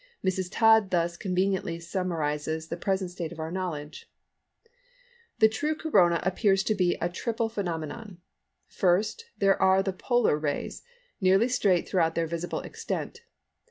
Mrs. Todd thus conveniently summarises the present state of our knowledge:—"The true corona appears to be a triple phenomenon. First, there are the polar rays, nearly straight throughout their visible extent.